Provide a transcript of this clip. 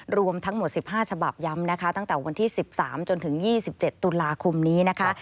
รวมทั้งหมด๑๕ฉบับย้ำนะคะตั้งแต่วันที่๑๓จนถึง๒๗ตุลาคมนี้นะคะ